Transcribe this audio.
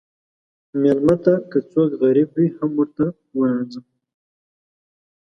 مېلمه ته که څوک غریب وي، هم ورته وناځه.